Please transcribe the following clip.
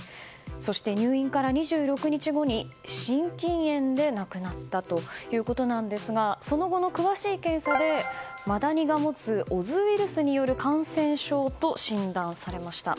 そして、入院から２６日後に心筋炎で亡くなったということなんですがその後の詳しい検査でマダニが持つオズウイルスによる感染症と診断されました。